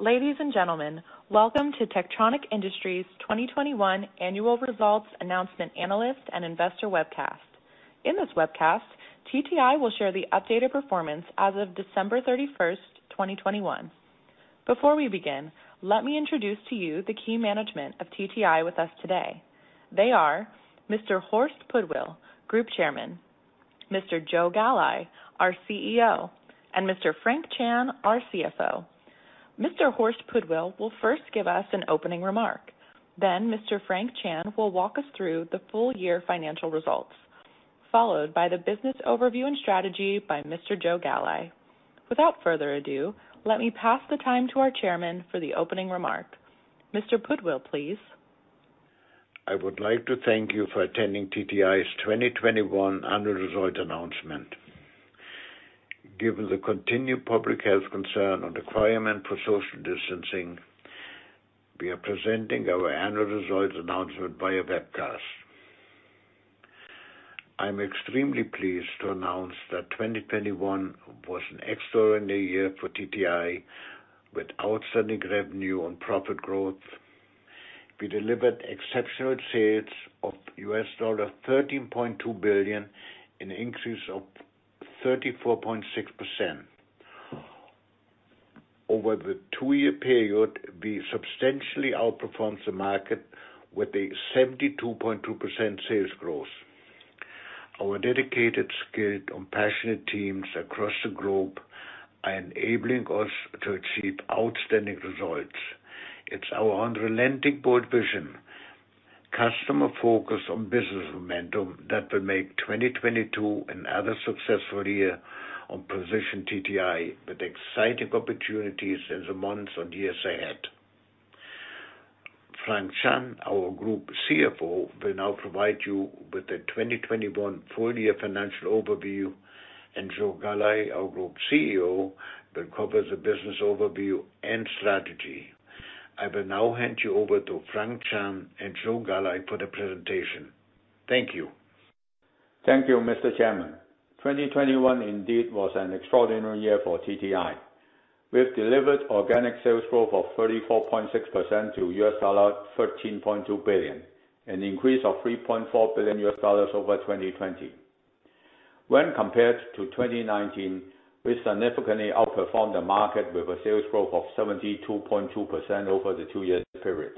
Ladies and gentlemen, Welcome to Techtronic Industries 2021 annual results announcement analyst and investor webcast. In this webcast, TTI will share the updated performance as of December 31st, 2021. Before we begin, let me introduce to you the key management of TTI with us today. They are Mr. Horst Pudwill, Group Chairman, Mr. Joe Galli, our CEO, and Mr. Frank Chan, our CFO. Mr. Horst Pudwill will first give us an opening remark. Then Mr. Frank Chan will walk us through the full year financial results, followed by the business overview and strategy by Mr. Joe Galli. Without further ado, let me pass the time to our chairman for the opening remark. Mr. Pudwill, please. I would like to thank you for attending TTI's 2021 annual results announcement. Given the continued public health concern and requirement for social distancing, we are presenting our annual results announcement via webcast. I'm extremely pleased to announce that 2021 was an extraordinary year for TTI, with outstanding revenue and profit growth. We delivered exceptional sales of $13.2 billion, an increase of 34.6%. Over the two-year period, we substantially outperformed the market with a 72.2% sales growth. Our dedicated, skilled, and passionate teams across the group are enabling us to achieve outstanding results. It's our unrelenting bold vision, customer focus on business momentum that will make 2022 another successful year to position TTI with exciting opportunities in the months and years ahead. Frank Chan, our Group CFO, will now provide you with the 2021 full-year financial overview, and Joe Galli, our Group CEO, will cover the business overview and strategy. I will now hand you over to Frank Chan and Joe Galli for the presentation. Thank you. Thank you, Mr. Chairman. 2021 indeed was an extraordinary year for TTI. We've delivered organic sales growth of 34.6% to $13.2 billion, an increase of $3.4 billion over 2020. When compared to 2019, we significantly outperformed the market with a sales growth of 72.2% over the two-year period.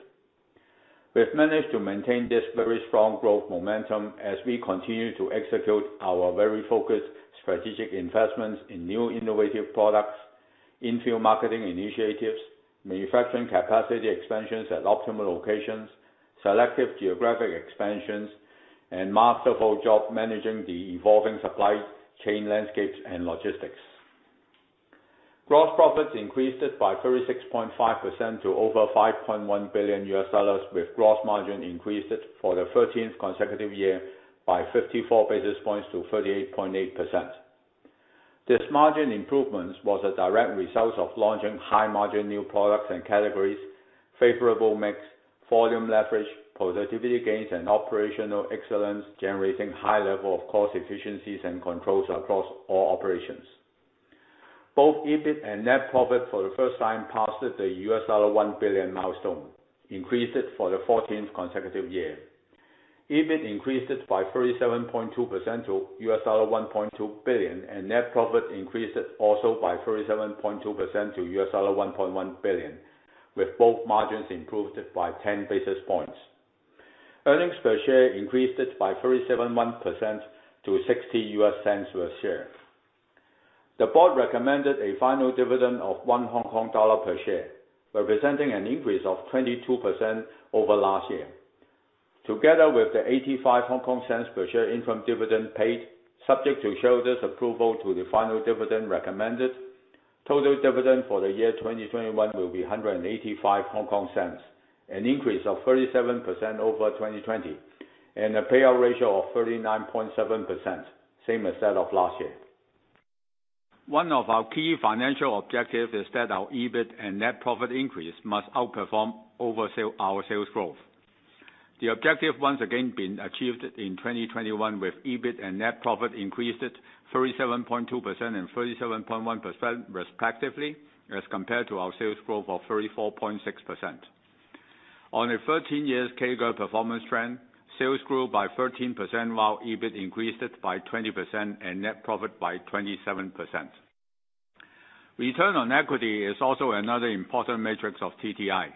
We've managed to maintain this very strong growth momentum as we continue to execute our very focused strategic investments in new innovative products, in-field marketing initiatives, manufacturing capacity expansions at optimal locations, selective geographic expansions, and masterful job managing the evolving supply chain landscapes and logistics. Gross profits increased by 36.5% to over $5.1 billion, with gross margin increased for the 13th consecutive year by 54 basis points to 38.8%. These margin improvements were a direct result of launching high-margin new products and categories, favorable mix, volume leverage, productivity gains, and operational excellence, generating high level of cost efficiencies and controls across all operations. Both EBIT and net profit for the first time passed the $1 billion milestone, increased for the fourteenth consecutive year. EBIT increased by 37.2% to $1.2 billion, and net profit increased also by 37.2% to $1.1 billion, with both margins improved by 10 basis points. Earnings per share increased by 37.1% to $0.60 per share. The board recommended a final dividend of 1 Hong Kong dollar per share, representing an increase of 22% over last year. Together with the 0.85 per share interim dividend paid, subject to shareholders' approval of the final dividend recommended, total dividend for the year 2021 will be 1.85, an increase of 37% over 2020, and a payout ratio of 39.7%, same as that of last year. One of our key financial objectives is that our EBIT and net profit increase must outperform our sales growth. The objective has once again been achieved in 2021, with EBIT and net profit increased 37.2% - 37.1% respectively, as compared to our sales growth of 34.6%. On a 13-year CAGR performance trend, sales grew by 13%, while EBIT increased by 20% and net profit by 27%. Return on equity is also another important metric of TTI.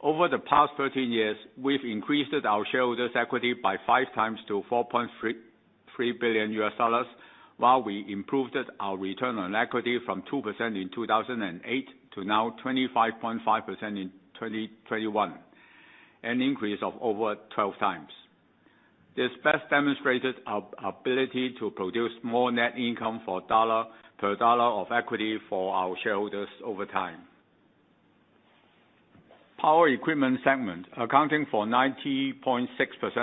Over the past 13 years, we've increased our shareholders' equity by 5 times to $4.33 billion, while we improved our return on equity from 2% in 2008 to now 25.5% in 2021, an increase of over 12 times. This best demonstrated our ability to produce more net income per dollar of equity for our shareholders over time. Power equipment segment, accounting for 90.6%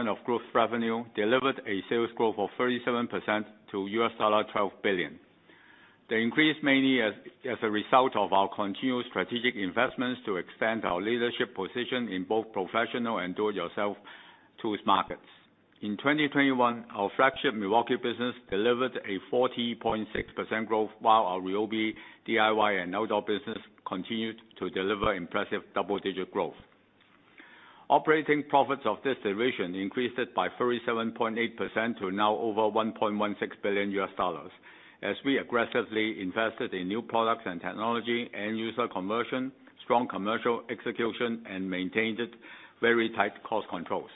of group revenue, delivered a sales growth of 37% to $12 billion. The increase mainly as a result of our continued strategic investments to extend our leadership position in both professional and do-it-yourself tools markets. In 2021, our flagship Milwaukee business delivered a 40.6% growth, while our RYOBI DIY and outdoor business continued to deliver impressive double-digit growth. Operating profits of this division increased by 37.8% to now over $1.16 billion, as we aggressively invested in new products and technology, end user conversion, strong commercial execution, and maintained very tight cost controls.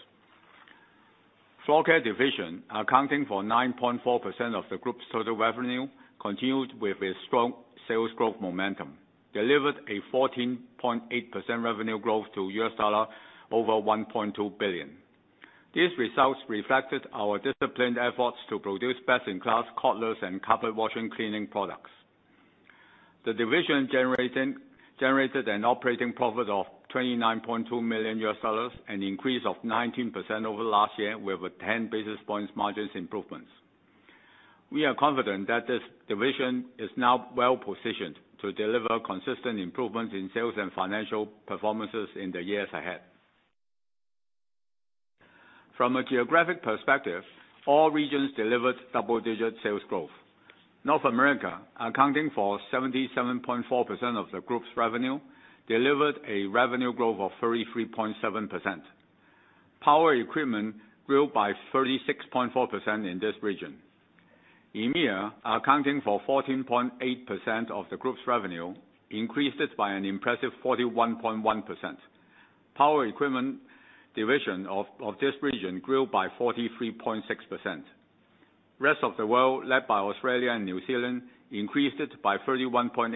Floor care division, accounting for 9.4% of the group's total revenue, continued with a strong sales growth momentum, delivered a 14.8% revenue growth to $1.2 billion. These results reflected our disciplined efforts to produce best-in-class cordless and carpet washing cleaning products. The division generated an operating profit of $29.2 million, an increase of 19% over last year with a 10 basis points margins improvements. We are confident that this division is now well-positioned to deliver consistent improvements in sales and financial performances in the years ahead. From a geographic perspective, all regions delivered double-digit sales growth. North America, accounting for 77.4% of the group's revenue, delivered a revenue growth of 33.7%. Power equipment grew by 36.4% in this region. EMEA, accounting for 14.8% of the group's revenue, increased by an impressive 41.1%. Power equipment division of this region grew by 43.6%. Rest of the world, led by Australia and New Zealand, increased it by 31.8%.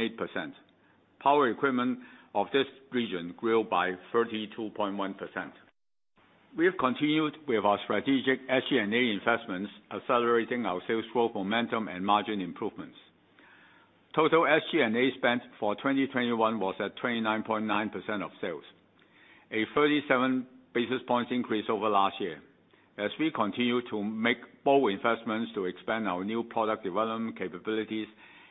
Power equipment of this region grew by 32.1%. We have continued with our strategic SG&A investments, accelerating our sales growth, momentum, and margin improvements. Total SG&A spent for 2021 was at 29.9% of sales, a 37 basis points increase over last year. As we continue to make bold investments to expand our new product development capabilities,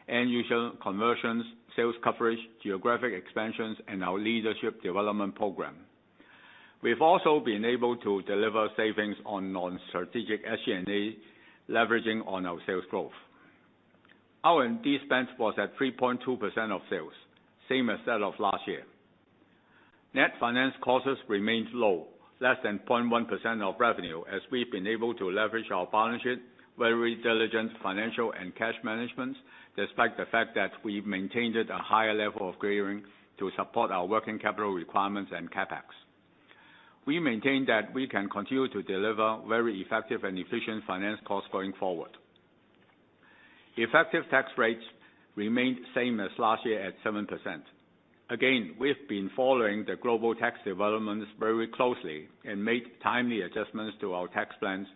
end user conversions, sales coverage, geographic expansions, and our leadership development program. We've also been able to deliver savings on non-strategic SG&A, leveraging on our sales growth. Our R&D spend was at 3.2% of sales, same as that of last year. Net finance costs remains low, less than 0.1% of revenue, as we've been able to leverage our balance sheet, very diligent financial and cash managements, despite the fact that we've maintained at a higher level of gearing to support our working capital requirements and CapEx. We maintain that we can continue to deliver very effective and efficient finance costs going forward. Effective tax rates remained same as last year at 7%. Again, we've been following the global tax developments very closely and made timely adjustments to our tax plans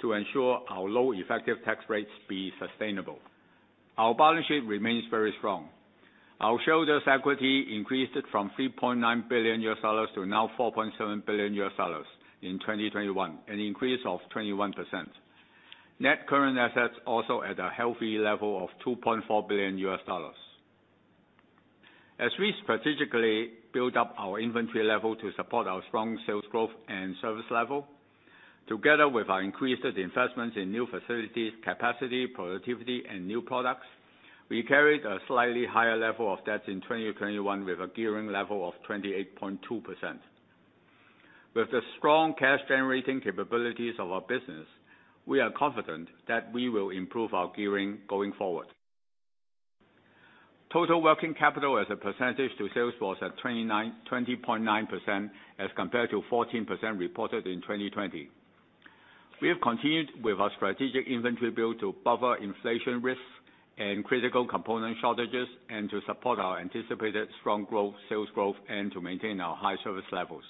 to ensure our low effective tax rates be sustainable. Our balance sheet remains very strong. Our shareholders' equity increased from $3.9 billion - $4.7 billion in 2021, an increase of 21%. Net current assets also at a healthy level of $2.4 billion. As we strategically build up our inventory level to support our strong sales growth and service level, together with our increased investments in new facilities, capacity, productivity, and new products, we carried a slightly higher level of debts in 2021, with a gearing level of 28.2%. With the strong cash generating capabilities of our business, we are confident that we will improve our gearing going forward. Total working capital as a percentage to sales was at 20.9% as compared to 14% reported in 2020. We have continued with our strategic inventory build to buffer inflation risks and critical component shortages, and to support our anticipated strong growth, sales growth, and to maintain our high service levels.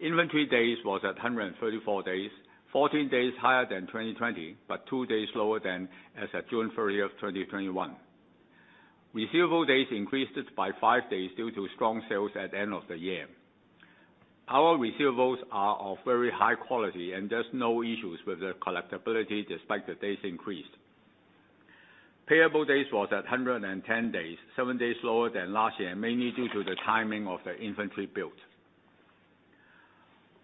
Inventory days was at 134 days, 14 days higher than 2020, but 2 days lower than as at June 30th, 2021. Receivable days increased by five days due to strong sales at the end of the year. Our receivables are of very high quality and there's no issues with the collectability, despite the days increased. Payable days was at 110 days, seven days lower than last year, mainly due to the timing of the inventory build.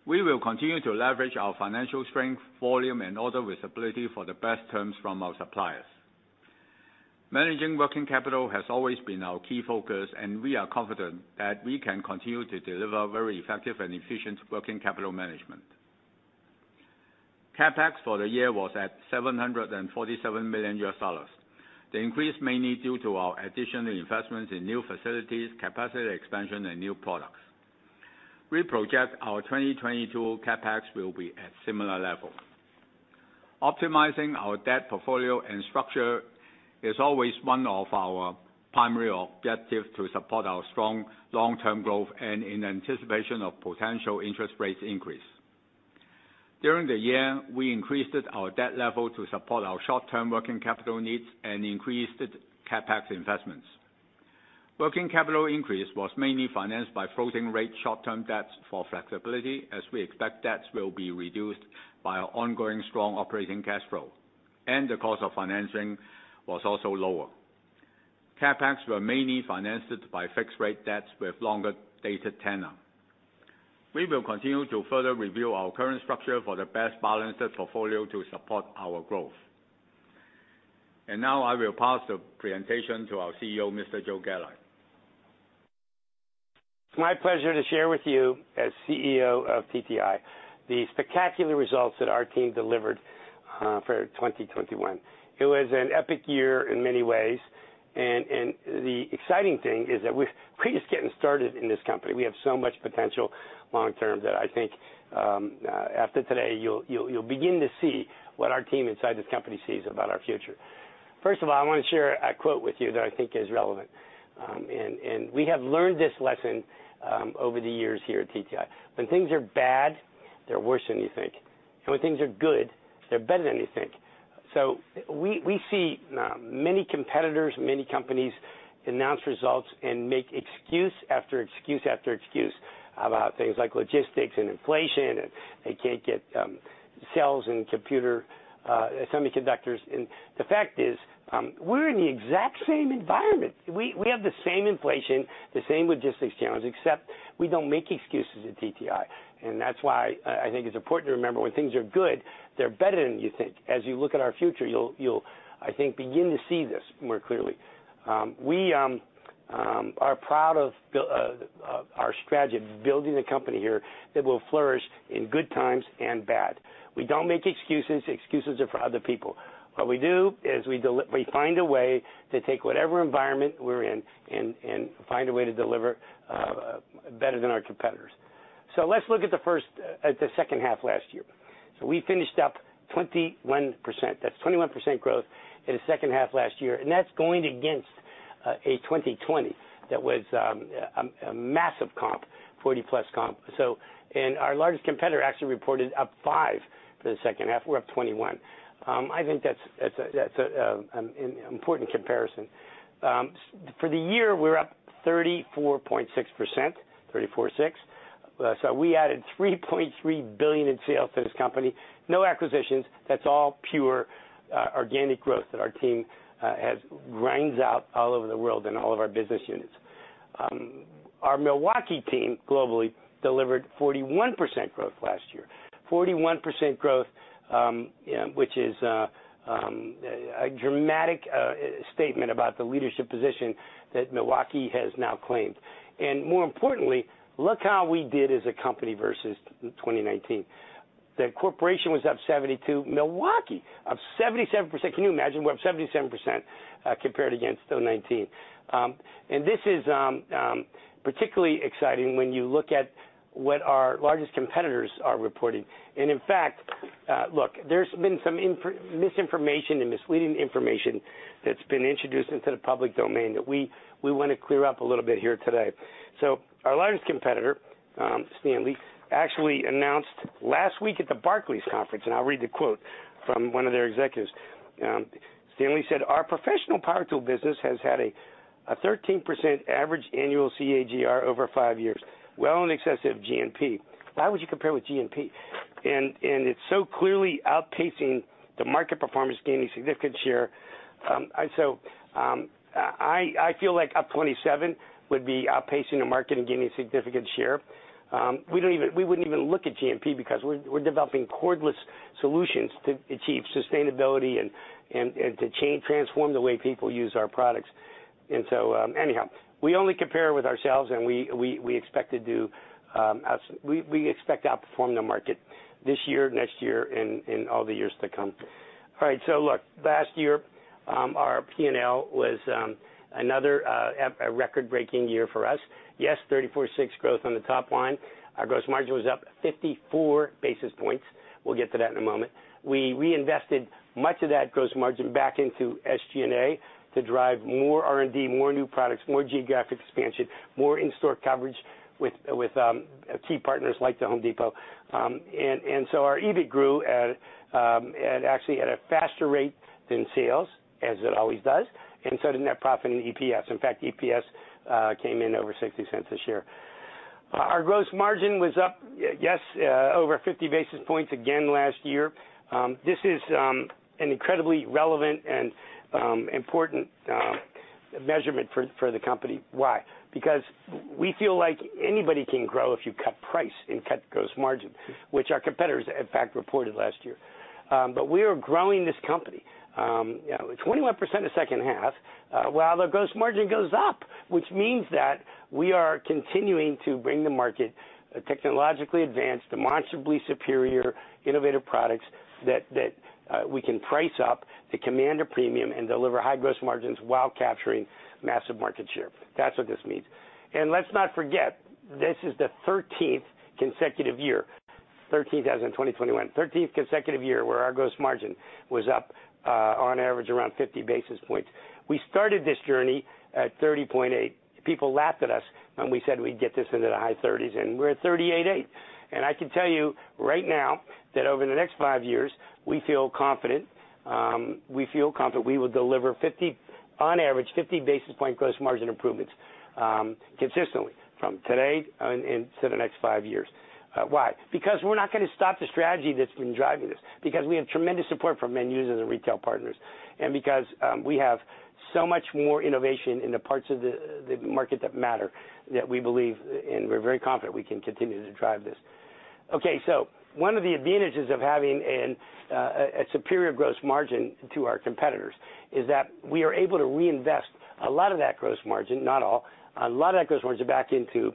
We will continue to leverage our financial strength, volume, and order visibility for the best terms from our suppliers. Managing working capital has always been our key focus, and we are confident that we can continue to deliver very effective and efficient working capital management. CapEx for the year was at $747 million. The increase was mainly due to our additional investments in new facilities, capacity expansion, and new products. We project our 2022 CapEx will be at similar level. Optimizing our debt portfolio and structure is always one of our primary objective to support our strong long-term growth and in anticipation of potential interest rates increase. During the year, we increased our debt level to support our short-term working capital needs and increased CapEx investments. Working capital increase was mainly financed by floating rate short-term debts for flexibility, as we expect debts will be reduced by our ongoing strong operating cash flow, and the cost of financing was also lower. CapEx was mainly financed by fixed rate debts with longer dated tenor. We will continue to further review our current structure for the best balanced portfolio to support our growth. Now I will pass the presentation to our CEO, Mr. Joe Galli. It's my pleasure to share with you as CEO of TTI the spectacular results that our team delivered for 2021. It was an epic year in many ways, and the exciting thing is that we're just getting started in this company. We have so much potential long term that I think after today, you'll begin to see what our team inside this company sees about our future. First of all, I wanna share a quote with you that I think is relevant. We have learned this lesson over the years here at TTI. When things are bad, they're worse than you think. When things are good, they're better than you think. We see many competitors, many companies announce results and make excuse after excuse after excuse about things like logistics and inflation, and they can't get chips and computer semiconductors. The fact is, we're in the exact same environment. We have the same inflation, the same logistics channels, except we don't make excuses at TTI. That's why I think it's important to remember when things are good, they're better than you think. As you look at our future, you'll, I think, begin to see this more clearly. We are proud of our strategy of building a company here that will flourish in good times and bad. We don't make excuses. Excuses are for other people. What we do is we find a way to take whatever environment we're in and find a way to deliver better than our competitors. Let's look at the second half last year. We finished up 21%. That's 21% growth in the second half last year, and that's going against a 2020 that was a massive comp, 40+ comp. Our largest competitor actually reported up five for the second half. We're up 21. I think that's an important comparison. For the year, we're up 34.6%, 34.6. We added $3.3 billion in sales to this company. No acquisitions. That's all pure, organic growth that our team has wrung out all over the world in all of our business units. Our Milwaukee team globally delivered 41% growth last year. 41% growth, which is a dramatic statement about the leadership position that Milwaukee has now claimed. More importantly, look how we did as a company versus 2019. The corporation was up 72. Milwaukee, up 77%. Can you imagine we're up 77%, compared against 2019? This is particularly exciting when you look at what our largest competitors are reporting. In fact, look, there's been some misinformation and misleading information that's been introduced into the public domain that we wanna clear up a little bit here today. Our largest competitor, Stanley, actually announced last week at the Barclays conference, and I'll read the quote from one of their executives. Stanley said, "Our professional power tool business has had a 13% average annual CAGR over five years, well in excess of GNP." Why would you compare with GNP? It's so clearly outpacing the market performance, gaining significant share. I feel like up 27% would be outpacing the market and gaining significant share. We wouldn't even look at GNP because we're developing cordless solutions to achieve sustainability and to transform the way people use our products. We only compare with ourselves, and we expect to outperform the market this year, next year, and all the years to come. All right, look, last year, our P&L was another record-breaking year for us. Yes, 34.6% growth on the top line. Our gross margin was up 54 basis points. We'll get to that in a moment. We reinvested much of that gross margin back into SG&A to drive more R&D, more new products, more geographic expansion, more in-store coverage with key partners like The Home Depot. Our EBIT grew at actually at a faster rate than sales, as it always does, and so did net profit and EPS. In fact, EPS came in over 60 cents a share. Our gross margin was up, yes, over 50 basis points again last year. This is an incredibly relevant and important measurement for the company. Why? Because we feel like anybody can grow if you cut price and cut gross margin, which our competitors, in fact, reported last year. We are growing this company, you know, 21% in the second half, while the gross margin goes up, which means that we are continuing to bring the market technologically advanced, demonstrably superior, innovative products that we can price up to command a premium and deliver high gross margins while capturing massive market share. That's what this means. Let's not forget, this is the thirteenth consecutive year. Thirteenth as in 2021. Thirteenth consecutive year where our gross margin was up, on average around 50 basis points. We started this journey at 30.8. People laughed at us when we said we'd get this into the high 30s, and we're at 38.8. I can tell you right now that over the next five years, we feel confident we will deliver on average 50 basis point gross margin improvements. Consistently from today and into the next five years. Why? Because we're not gonna stop the strategy that's been driving this, because we have tremendous support from end users and retail partners, and because we have so much more innovation in the parts of the market that matter that we believe and we're very confident we can continue to drive this. Okay. One of the advantages of having a superior gross margin to our competitors is that we are able to reinvest a lot of that gross margin, not all, a lot of that gross margin back into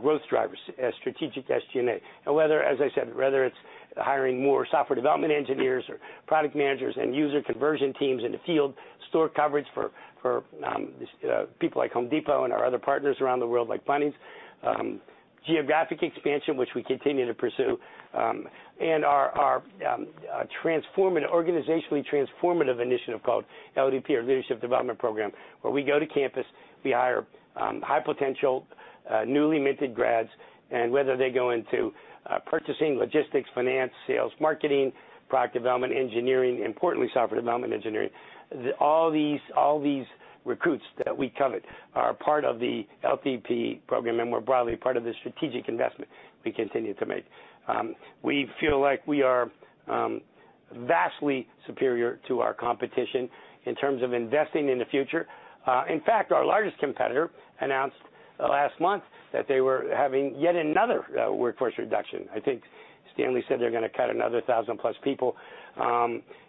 growth drivers as strategic SG&A. Whether, as I said, it's hiring more software development engineers or product managers, end user conversion teams in the field, store coverage for people like Home Depot and our other partners around the world like Bunnings, geographic expansion, which we continue to pursue, and our organizationally transformative initiative called LDP, or Leadership Development Program, where we go to campus, we hire high potential newly minted grads, and whether they go into purchasing, logistics, finance, sales, marketing, product development, engineering, importantly, software development engineering, all these recruits that we covet are part of the LDP program and more broadly, part of the strategic investment we continue to make. We feel like we are vastly superior to our competition in terms of investing in the future. In fact, our largest competitor announced last month that they were having yet another workforce reduction. I think Stanley said they're gonna cut another 1,000 plus people.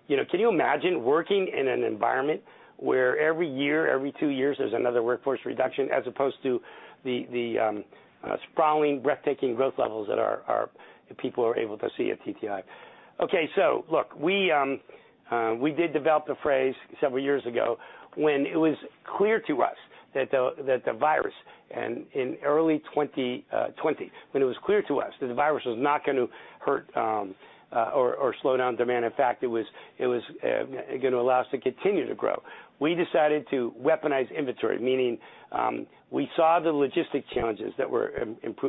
You know, can you imagine working in an environment where every year, every two years, there's another workforce reduction as opposed to the sprawling breathtaking growth levels that our people are able to see at TTI? Okay. Look, we did develop the phrase several years ago when it was clear to us that the virus in early 2020 was not gonna hurt or slow down demand. In fact, it was gonna allow us to continue to grow. We decided to weaponize inventory, meaning we saw the logistic challenges that were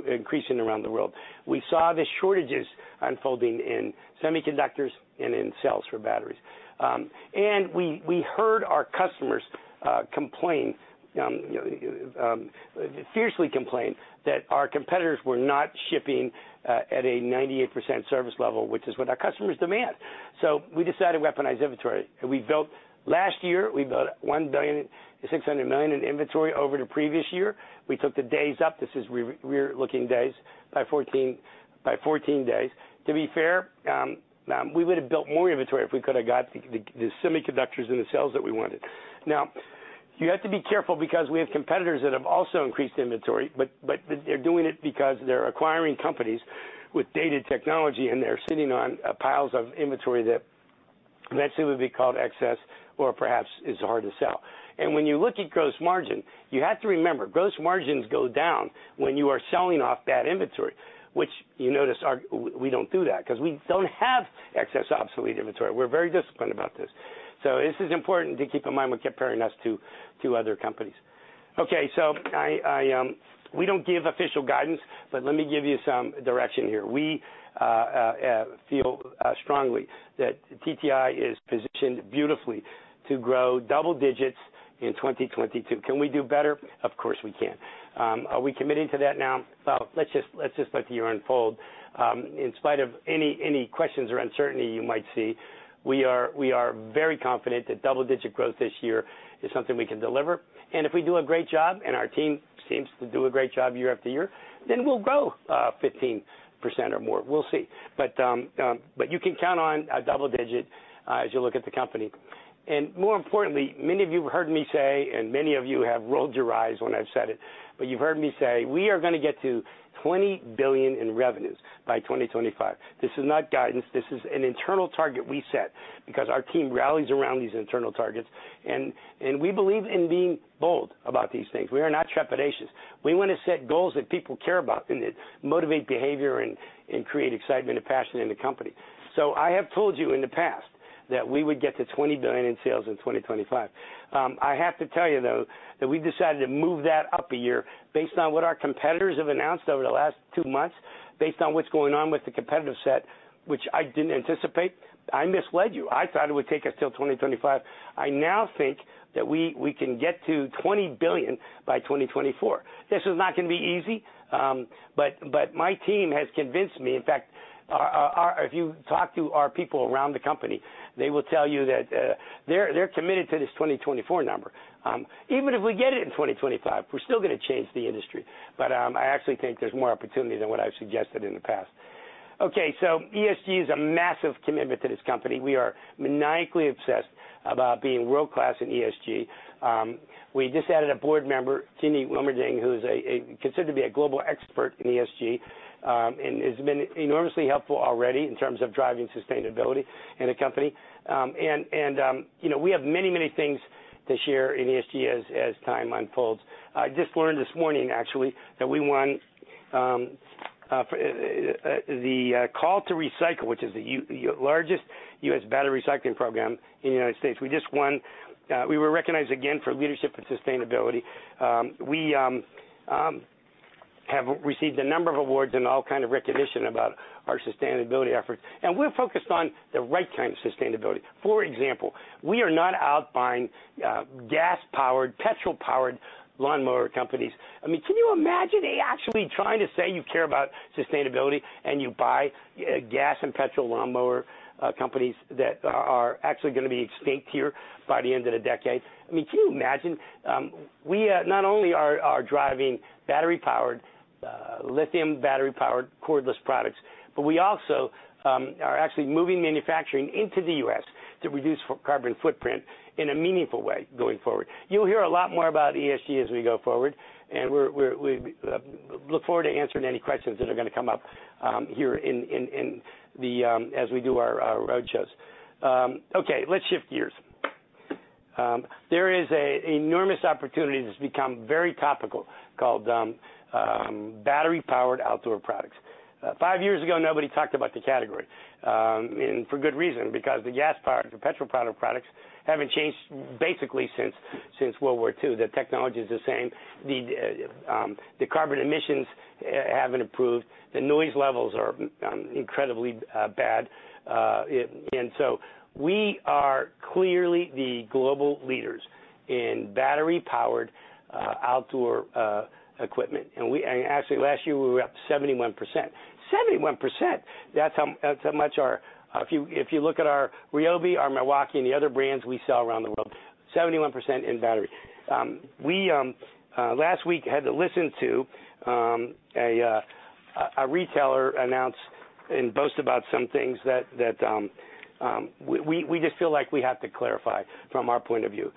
increasing around the world. We saw the shortages unfolding in semiconductors and in cells for batteries. We heard our customers complain, you know, fiercely complain that our competitors were not shipping at a 98% service level, which is what our customers demand. We decided to weaponize inventory, and last year we built $1.6 billion in inventory over the previous year. We took the days up, this is rear-looking days, by 14 days. To be fair, we would've built more inventory if we could've got the semiconductors and the cells that we wanted. Now, you have to be careful because we have competitors that have also increased inventory, but they're doing it because they're acquiring companies with dated technology, and they're sitting on piles of inventory that let's say would be called excess or perhaps is hard to sell. When you look at gross margin, you have to remember, gross margins go down when you are selling off bad inventory, which you notice we don't do that 'cause we don't have excess obsolete inventory. We're very disciplined about this. This is important to keep in mind when comparing us to other companies. Okay. We don't give official guidance, but let me give you some direction here. We feel strongly that TTI is positioned beautifully to grow double digits in 2022. Can we do better? Of course, we can. Are we committing to that now? Well, let's just let the year unfold. In spite of any questions or uncertainty you might see, we are very confident that double-digit growth this year is something we can deliver. If we do a great job, and our team seems to do a great job year after year, then we'll grow 15% or more. We'll see. You can count on a double-digit as you look at the company. More importantly, many of you have heard me say, and many of you have rolled your eyes when I've said it, but you've heard me say, we are gonna get to $20 billion in revenues by 2025. This is not guidance. This is an internal target we set because our team rallies around these internal targets, and we believe in being bold about these things. We are not trepidatious. We wanna set goals that people care about and that motivate behavior and create excitement and passion in the company. I have told you in the past that we would get to $20 billion in sales in 2025. I have to tell you, though, that we decided to move that up a year based on what our competitors have announced over the last two months, based on what's going on with the competitive set, which I didn't anticipate. I misled you. I thought it would take us till 2025. I now think that we can get to $20 billion by 2024. This is not gonna be easy, but my team has convinced me. In fact, if you talk to our people around the company, they will tell you that they're committed to this 2024 number. Even if we get it in 2025, we're still gonna change the industry. I actually think there's more opportunity than what I've suggested in the past. Okay. ESG is a massive commitment to this company. We are maniacally obsessed about being world-class in ESG. We just added a board member, Jeannie Wilmerding, who's considered to be a global expert in ESG, and has been enormously helpful already in terms of driving sustainability in the company. You know, we have many things to share in ESG as time unfolds. I just learned this morning actually that we won Call2Recycle, which is the largest U.S. battery recycling program in the United States. We just won. We were recognized again for leadership and sustainability. We have received a number of awards and all kind of recognition about our sustainability efforts, and we're focused on the right kind of sustainability. For example, we are not out buying gas-powered, petrol-powered lawnmower companies. I mean, can you imagine actually trying to say you care about sustainability and you buy gas and petrol lawnmower companies that are actually gonna be extinct here by the end of the decade? I mean, can you imagine? We not only are driving battery-powered lithium battery-powered cordless products, but we also are actually moving manufacturing into the U.S. to reduce carbon footprint in a meaningful way going forward. You'll hear a lot more about ESG as we go forward, and we look forward to answering any questions that are gonna come up here in the as we do our roadshows. Okay, let's shift gears. There is an enormous opportunity that's become very topical called battery-powered outdoor products. Five years ago, nobody talked about the category, and for good reason, because the gas-powered, the petrol-powered products haven't changed basically since World War II. The technology is the same. The carbon emissions haven't improved. The noise levels are incredibly bad. We are clearly the global leaders in battery-powered outdoor equipment. Actually, last year, we were up 71%. That's how much our... If you look at our RYOBI, our Milwaukee, and the other brands we sell around the world, 71% in battery. Last week had to listen to a retailer announce and boast about some things that we just feel like we have to clarify from our point of view.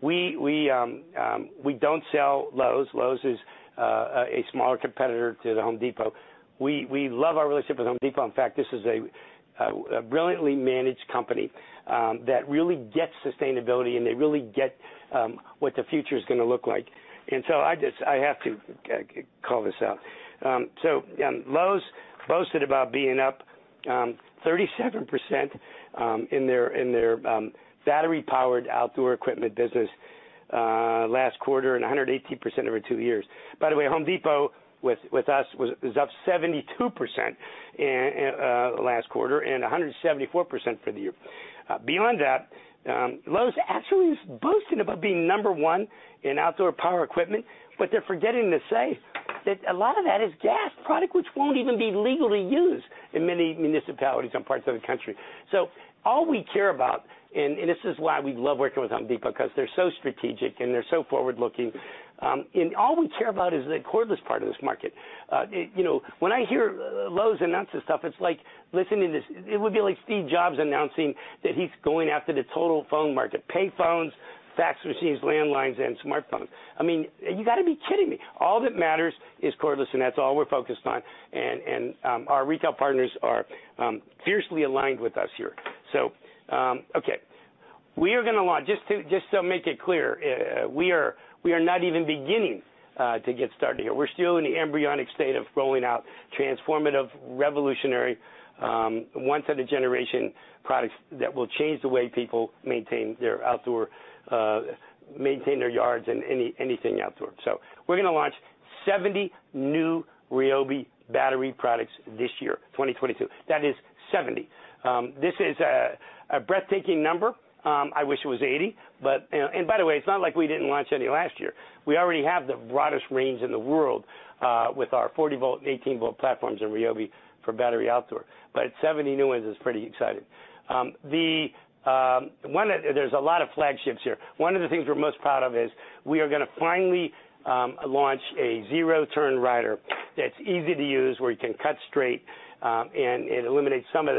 We don't sell Lowe's. Lowe's is a smaller competitor to The Home Depot. We love our relationship with Home Depot. In fact, this is a brilliantly managed company that really gets sustainability, and they really get what the future's gonna look like. I have to call this out. Lowe's boasted about being up 37% in their battery-powered outdoor equipment business last quarter and 180% over two years. By the way, Home Depot with us was up 72% last quarter and 174% for the year. Beyond that, Lowe's actually is boasting about being number one in outdoor power equipment, but they're forgetting to say that a lot of that is gas product which won't even be legally used in many municipalities and parts of the country. All we care about, and this is why we love working with Home Depot, 'cause they're so strategic and they're so forward-looking, and all we care about is the cordless part of this market. You know, when I hear Lowe's announce this stuff, it's like listening to Steve Jobs announcing that he's going after the total phone market, payphones, fax machines, landlines, and smartphones. I mean, you gotta be kidding me. All that matters is cordless, and that's all we're focused on. Our retail partners are fiercely aligned with us here. Okay. We are gonna launch. Just to make it clear, we are not even beginning to get started here. We're still in the embryonic state of rolling out transformative, revolutionary, once in a generation products that will change the way people maintain their yards and anything outdoors. We're gonna launch 70 new RYOBI battery products this year, 2022. That is 70. This is a breathtaking number. I wish it was 80, but, you know. By the way, it's not like we didn't launch any last year. We already have the broadest range in the world, with our 40-volt, 18-volt platforms in RYOBI for battery outdoor. But 70 new ones is pretty exciting. There's a lot of flagships here. One of the things we're most proud of is we are gonna finally launch a zero-turn rider that's easy to use, where you can cut straight, and it eliminates some of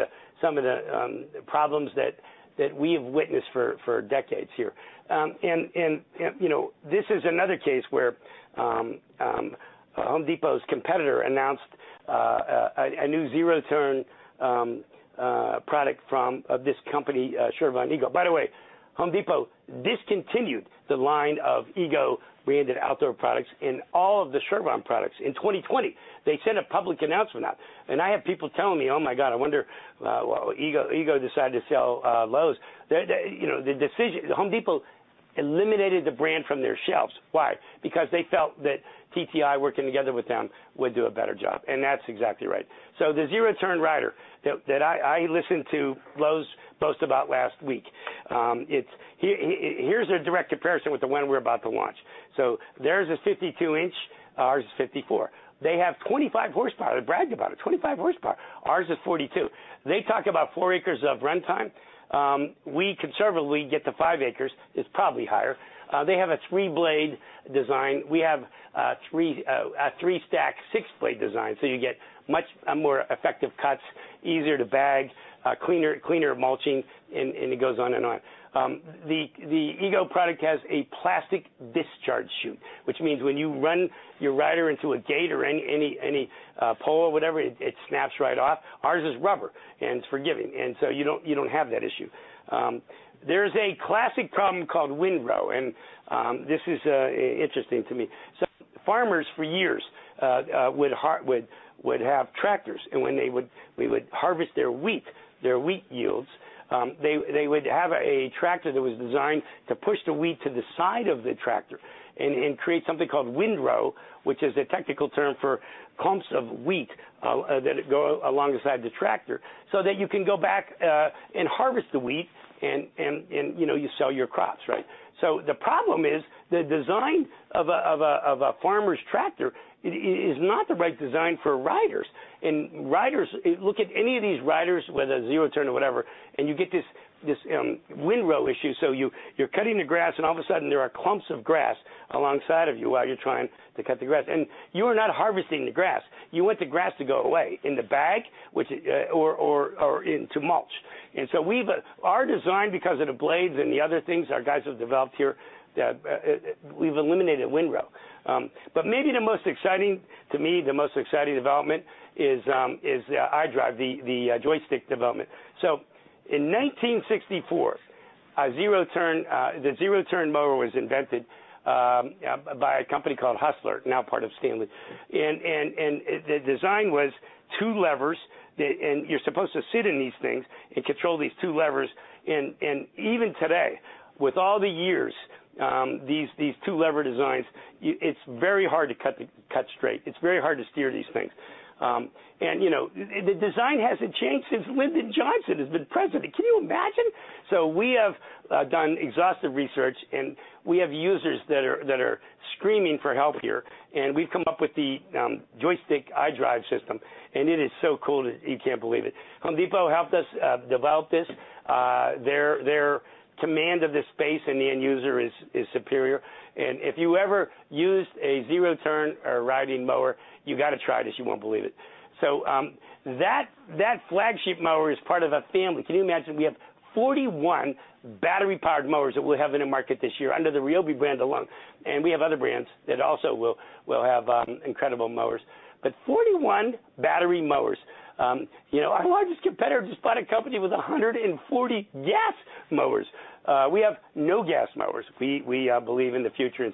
the problems that we have witnessed for decades here. You know, this is another case where Home Depot's competitor announced a new zero-turn product from this company, Chervon EGO. By the way, Home Depot discontinued the line of EGO rebranded outdoor products and all of the Shurhold products in 2020. They sent a public announcement out. I have people telling me, "Oh my God, I wonder why EGO decided to sell Lowe's." The decision Home Depot eliminated the brand from their shelves. Why? Because they felt that TTI working together with them would do a better job, and that's exactly right. The zero-turn rider that I listened to Lowe's boast about last week, it's here. Here's a direct comparison with the one we're about to launch. Theirs is 52 inch, ours is 54. They have 25 horsepower. They bragged about it, 25 horsepower. Ours is 42. They talk about four acres of runtime. We conservatively get to five acres. It's probably higher. They have a three-blade design. We have a three-stack, six-blade design, so you get much more effective cuts, easier to bag, cleaner mulching, and it goes on and on. The EGO product has a plastic discharge chute, which means when you run your rider into a gate or any pole or whatever, it snaps right off. Ours is rubber and it's forgiving, and so you don't have that issue. There's a classic problem called windrow, and this is interesting to me. Farmers for years would have tractors, and when they would harvest their wheat yields, they would have a tractor that was designed to push the wheat to the side of the tractor and create something called windrow, which is a technical term for clumps of wheat that go alongside the tractor, so that you can go back and harvest the wheat, you know, you sell your crops, right? The problem is the design of a farmer's tractor is not the right design for riders. Riders. Look at any of these riders, whether it's zero-turn or whatever, and you get this windrow issue. You're cutting the grass and all of a sudden there are clumps of grass alongside of you while you're trying to cut the grass. You are not harvesting the grass. You want the grass to go away in the bag, which or into mulch. Our design, because of the blades and the other things our guys have developed here, we've eliminated windrow. To me, the most exciting development is iDrive, the joystick development. In 1964, the zero-turn mower was invented by a company called Hustler, now part of Stanley. The design was two levers and you're supposed to sit in these things and control these two levers. Even today, with all the years, these two lever designs, it's very hard to cut straight. It's very hard to steer these things. You know, the design hasn't changed since Lyndon B. Johnson has been president. Can you imagine. We have done exhaustive research, and we have users that are screaming for help here, and we've come up with the joystick iDrive system, and it is so cool that you can't believe it. Home Depot helped us develop this. Their command of the space and the end user is superior. If you ever used a zero-turn or riding mower, you got to try this. You won't believe it. That flagship mower is part of a family. Can you imagine we have 41 battery powered mowers that we'll have in the market this year under the RYOBI brand alone, and we have other brands that also will have incredible mowers. Forty-one battery mowers, you know, our largest competitor just bought a company with 140 gas mowers. We have no gas mowers. We believe in the future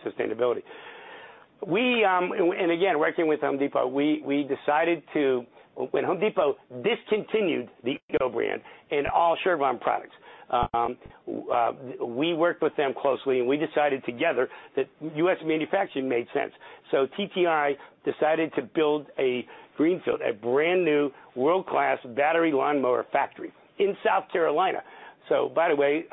and sustainability. Working with Home Depot, we decided to. When Home Depot discontinued the EGO brand and all Chervon products, we worked with them closely and we decided together that U.S. manufacturing made sense. TTI decided to build a greenfield, a brand new world-class battery lawnmower factory in South Carolina. By the way,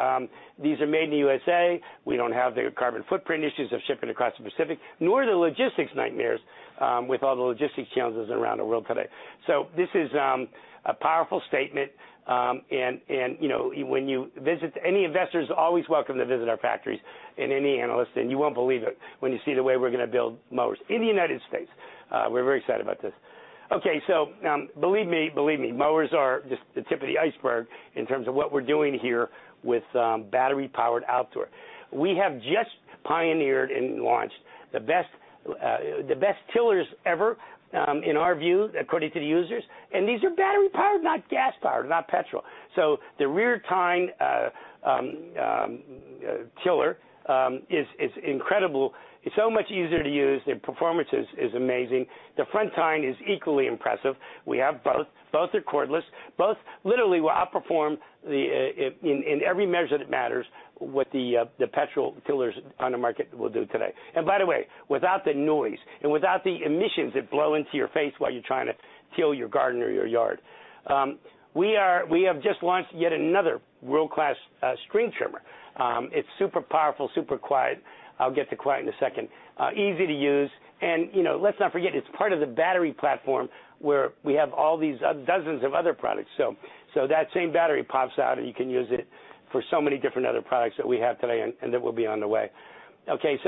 these are made in the U.S.A. We don't have the carbon footprint issues of shipping across the Pacific, nor the logistics nightmares, with all the logistics challenges around the world today. This is a powerful statement. You know, when you visit, any investors are always welcome to visit our factories and any analyst, and you won't believe it when you see the way we're gonna build mowers in the United States. We're very excited about this. Okay. Believe me, mowers are just the tip of the iceberg in terms of what we're doing here with battery powered outdoor. We have just pioneered and launched the best tillers ever, in our view, according to the users. These are battery powered, not gas powered, not petrol. The rear tine tiller is incredible. It's so much easier to use. The performance is amazing. The front tine is equally impressive. We have both. Both are cordless. Both literally will outperform in every measure that matters what the petrol tillers on the market will do today. By the way, without the noise and without the emissions that blow into your face while you're trying to till your garden or your yard. We have just launched yet another world-class string trimmer. It's super powerful, super quiet. I'll get to quiet in a second. Easy to use. You know, let's not forget, it's part of the battery platform where we have all these dozens of other products. that same battery pops out, and you can use it for so many different other products that we have today and that will be on the way. Okay,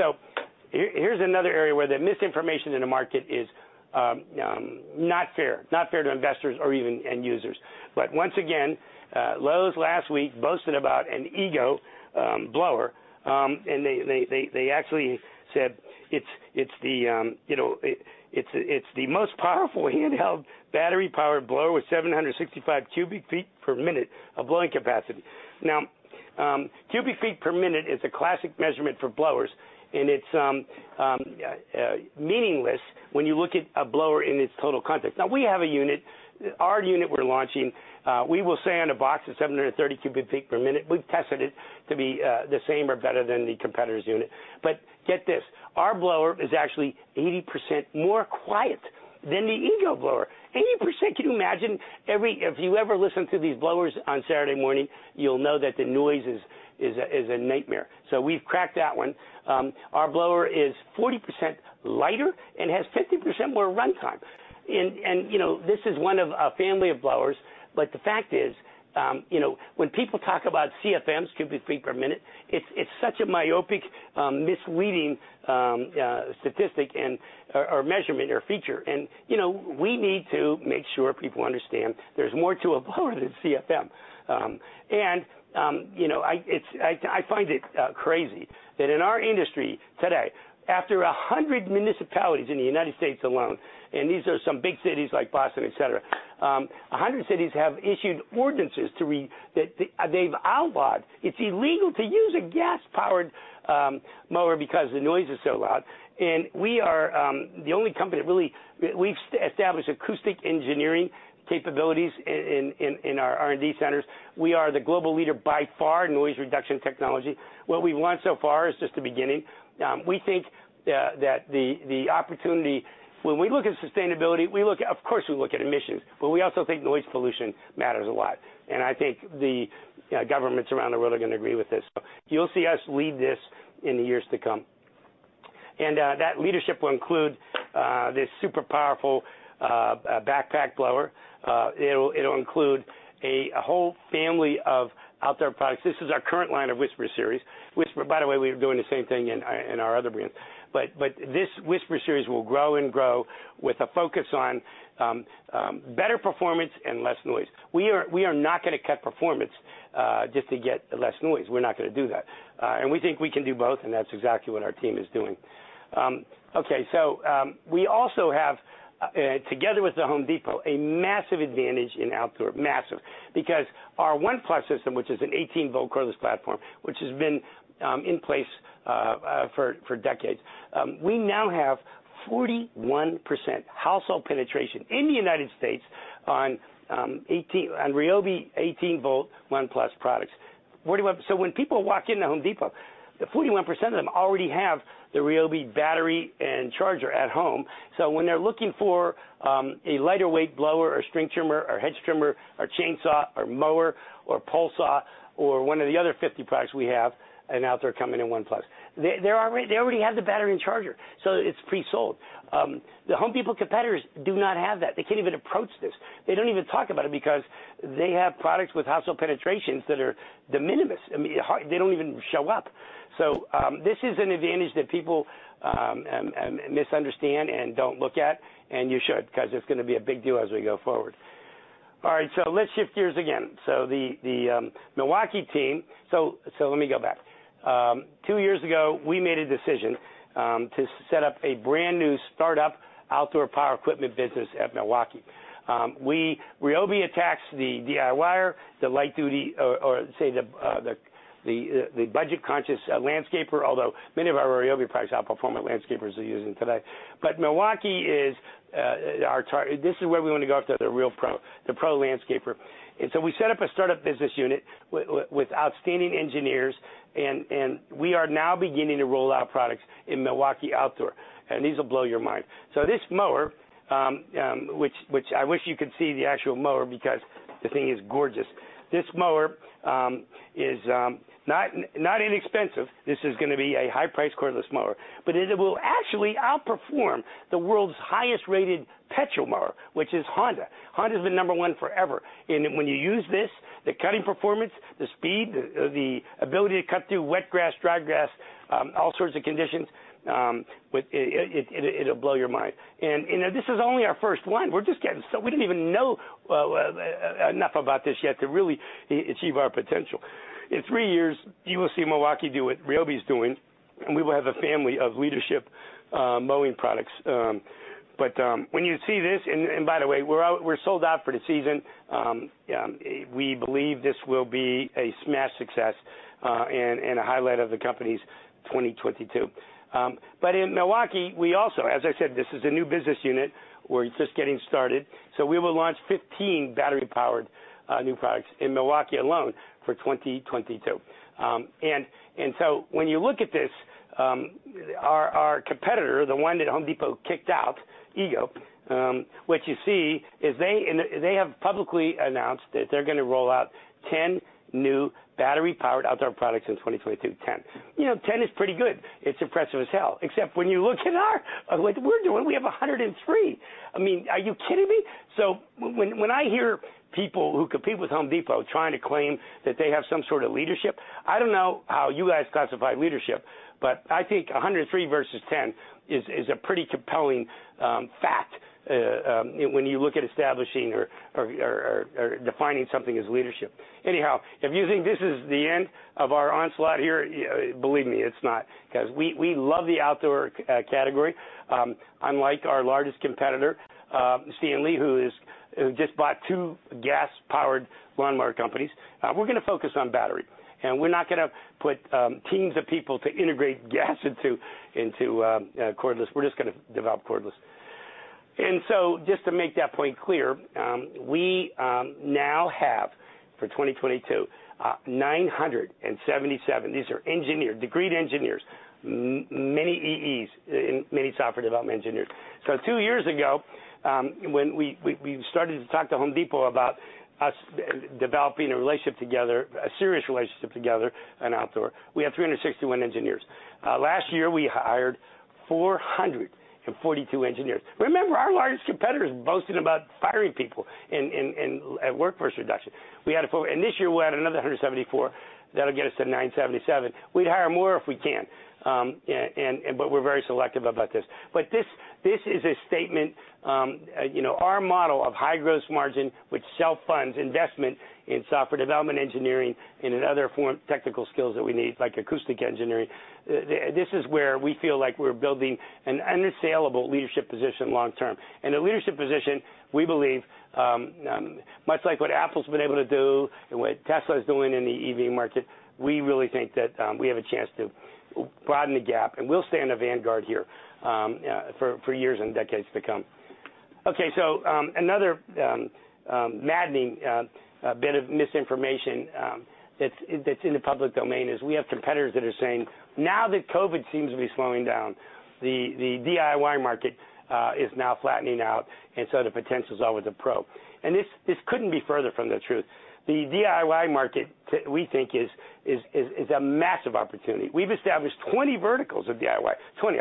here's another area where the misinformation in the market is not fair to investors or even end users. once again, Lowe's last week boasted about an EGO blower, and they actually said it's the, you know. It's the most powerful handheld battery powered blower with 765 cubic feet per minute of blowing capacity. Now, cubic feet per minute is a classic measurement for blowers, and it's meaningless when you look at a blower in its total context. Now we have a unit, our unit we're launching, we will say on the box it's 730 cubic feet per minute. We've tested it to be the same or better than the competitor's unit. But get this. Our blower is actually 80% more quiet than the EGO blower. 80%, can you imagine? If you ever listen to these blowers on Saturday morning, you'll know that the noise is a nightmare. So we've cracked that one. Our blower is 40% lighter and has 50% more runtime. You know, this is one of a family of blowers, but the fact is, you know, when people talk about CFMs, cubic feet per minute, it's such a myopic, misleading, statistic or measurement or feature. You know, we need to make sure people understand there's more to a blower than CFM. I find it crazy that in our industry today, after 100 municipalities in the United States alone, and these are some big cities like Boston, et cetera, 100 cities have issued ordinances that they've outlawed it. It's illegal to use a gas-powered mower because the noise is so loud. We are the only company that we've established acoustic engineering capabilities in our R&D centers. We are the global leader by far in noise reduction technology. What we've launched so far is just the beginning. We think the opportunity. When we look at sustainability, we look at, of course, we look at emissions, but we also think noise pollution matters a lot. I think the governments around the world are gonna agree with this. You'll see us lead this in the years to come. That leadership will include this super powerful backpack blower. It'll include a whole family of outdoor products. This is our current line of Whisper Series, which by the way, we're doing the same thing in our other brands. This Whisper Series will grow and grow with a focus on better performance and less noise. We are not gonna cut performance just to get less noise. We're not gonna do that. We think we can do both, and that's exactly what our team is doing. Okay. We also have together with The Home Depot a massive advantage in outdoor, massive, because our ONE+ system, which is an 18-volt cordless platform, which has been in place for decades, we now have 41% household penetration in the United States on RYOBI 18-volt ONE+ products. Forty-one. When people walk into Home Depot, 41% of them already have the RYOBI battery and charger at home. When they're looking for a lighter weight blower or string trimmer or hedge trimmer or chainsaw or mower or pole saw or one of the other 50 products we have in outdoor coming in ONE+, they already have the battery and charger, so it's pre-sold. The Home Depot competitors do not have that. They can't even approach this. They don't even talk about it because they have products with household penetrations that are de minimis. I mean, they don't even show up. This is an advantage that people misunderstand and don't look at, and you should because it's gonna be a big deal as we go forward. All right, let's shift gears again. Let me go back. 2 years ago, we made a decision to set up a brand new startup outdoor power equipment business at Milwaukee. RYOBI attacks the DIYer, the light duty or say the budget-conscious landscaper, although many of our RYOBI products outperform what landscapers are using today. Milwaukee is where we wanna go after the real pro, the pro landscaper. We set up a startup business unit with outstanding engineers and we are now beginning to roll out products in Milwaukee outdoor, and these will blow your mind. This mower, which I wish you could see the actual mower because the thing is gorgeous. This mower is not inexpensive. This is gonna be a high-priced cordless mower, but it will actually outperform the world's highest rated petrol mower, which is Honda. Honda's been number one forever. When you use this, the cutting performance, the speed, the ability to cut through wet grass, dry grass, all sorts of conditions, with it'll blow your mind. You know, this is only our first one. We're just getting started. We didn't even know enough about this yet to really achieve our potential. In 3 years, you will see Milwaukee do what RYOBI's doing, and we will have a family of leadership mowing products. When you see this, by the way, we're sold out for the season. We believe this will be a smash success, and a highlight of the company's 2022. In Milwaukee, as I said, this is a new business unit. We're just getting started. We will launch 15 battery-powered new products in Milwaukee alone for 2022. When you look at this, our competitor, the one that Home Depot kicked out, EGO, what you see is they have publicly announced that they're gonna roll out 10 new battery-powered outdoor products in 2022. 10. You know, 10 is pretty good. It's impressive as hell, except when you look at what we're doing. We have 103. I mean, are you kidding me? When I hear people who compete with Home Depot trying to claim that they have some sort of leadership, I don't know how you guys classify leadership, but I think 103 versus 10 is a pretty compelling fact when you look at establishing or defining something as leadership. Anyhow, if you think this is the end of our onslaught here, believe me, it's not, 'cause we love the outdoor category. Unlike our largest competitor, Stanley, who just bought two gas-powered lawnmower companies, we're gonna focus on battery, and we're not gonna put teams of people to integrate gas into cordless. We're just gonna develop cordless. Just to make that point clear, we now have for 2022, 977. These are engineered, degreed engineers, many EEs and many software development engineers. Two years ago, when we started to talk to Home Depot about us developing a relationship together, a serious relationship together in outdoor, we had 361 engineers. Last year, we hired 442 engineers. Remember, our largest competitor is boasting about firing people and at workforce reduction. We had a, and this year we'll add another 174 that'll get us to 977. We'd hire more if we can, but we're very selective about this. This is a statement, our model of high gross margin, which self-funds investment in software development engineering, and in other technical skills that we need, like acoustic engineering. This is where we feel like we're building an unassailable leadership position long term. A leadership position, we believe, much like what Apple's been able to do and what Tesla is doing in the EV market, we really think that we have a chance to broaden the gap, and we'll stay on the vanguard here, for years and decades to come. Okay. Another maddening bit of misinformation that's in the public domain is we have competitors that are saying, now that COVID seems to be slowing down the DIY market is now flattening out and so the potential is all with the pro. This couldn't be further from the truth. The DIY market we think is a massive opportunity. We've established 20 verticals of DIY.